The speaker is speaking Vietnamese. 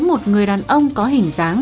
một người đàn ông có hình dáng